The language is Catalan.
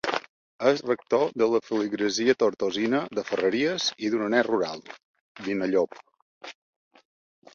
És rector de la feligresia tortosina de Ferreries i d'un annex rural, Vinallop.